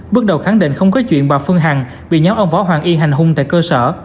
bước đầu khẳng định không có chuyện bà phương hằng bị nhóm ông võ hoàng y hành hung tại cơ sở